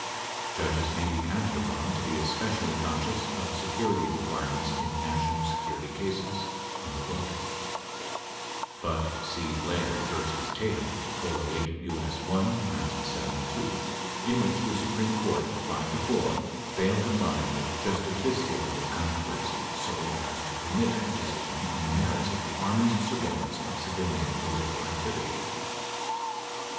Judges may be counted upon to be especially conscious of security requirements in national security cases." [Emphasis added.] (But see, Laird v. Tatum , 408 U.S. 1 (1972), in which the Supreme Court, 5 to 4, failed to find a justificiable controversy so as to permit a decision on the merits of the Army's surveillance of civilian political activity.)